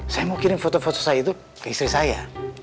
saya mau kirim foto foto saya itu ke istri saya